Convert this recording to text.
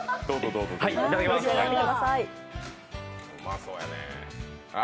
うまそうやね。